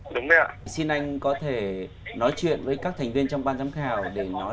đúng không ạ xin anh có thể nói chuyện với các thành viên trong ban giám khảo để nói